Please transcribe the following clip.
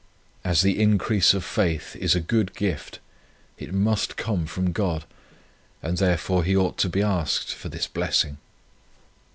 As the increase of faith is a good gift, it must come from God, and therefore He ought to be asked for this blessing.